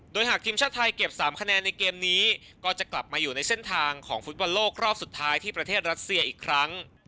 โดยหากทีมชาติไทยเก็บ๓คะแนนในเกมนี้ก็จะกลับมาอยู่ในเส้นทางของฟุตบอลโลกรอบสุดท้ายที่ประเทศรัสเซียอีกครั้ง